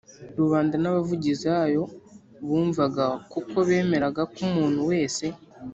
rubanda n' abavugizi bayo bumvaga kuko bemeraga ko umuntu wese